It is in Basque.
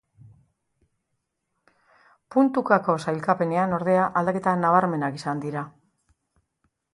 Puntukako sailkapenean, ordea, aldaketa nabarmenak izan dira.